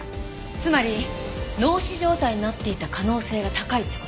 つまり脳死状態になっていた可能性が高いって事。